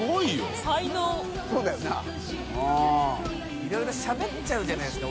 いろいろしゃべっちゃうじゃないですか